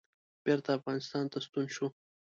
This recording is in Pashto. بېرته افغانستان ته ستون شوم.